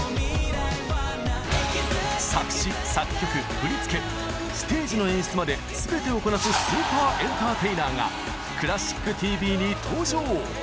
作詞作曲振り付けステージの演出まで全てをこなすスーパーエンターテイナーが「クラシックＴＶ」に登場！